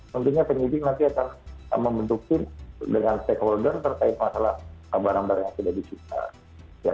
pentingnya penyelidik nanti akan membentukkan dengan stakeholder terkait masalah barang barang yang tidak disipkan